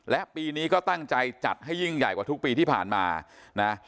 และปีนี้ก็ตั้งใจจัดให้ยิ่งใหญ่กว่าทุกปีที่ผ่านมานะ